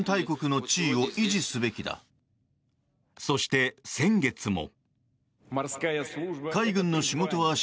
そして先月も。